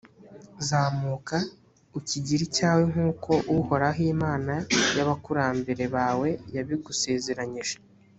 zamuka, ukigire icyawe nk’uko uhoraho imana y’abakurambere bawe yabigusezeranyije.